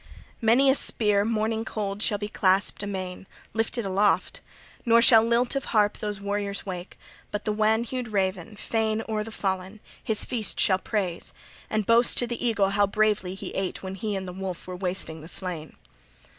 Many a spear morning cold shall be clasped amain, lifted aloft; nor shall lilt of harp those warriors wake; but the wan hued raven, fain o'er the fallen, his feast shall praise and boast to the eagle how bravely he ate when he and the wolf were wasting the slain."